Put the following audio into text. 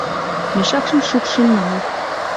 — Мешакшым шупшын нал!